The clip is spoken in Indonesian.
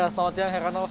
selamat siang heronolf